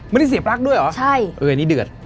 ไม่ได้เสียบปั๊กด้วยเหรออันนี้เดือดใช่